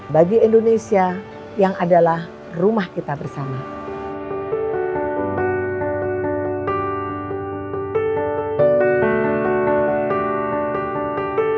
bagi indonesia kita harus berharap